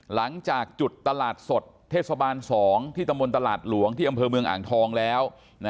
หลังจากจุดตลาดสดเทศบาล๒ที่ตำบลตลาดหลวงที่อำเภอเมืองอ่างทองแล้ว